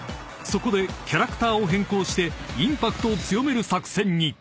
［そこでキャラクターを変更してインパクトを強める作戦に］